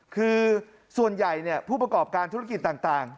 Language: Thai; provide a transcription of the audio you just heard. คือส่วนใหญ่ผู้ประกอบการธุรกิจต่าง